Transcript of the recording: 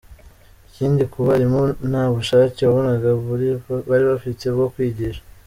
Ikindi ku barimu, nta bushake wabonaga bari bafite bwo kwigisha.